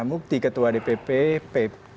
mukti ketua dpp p tiga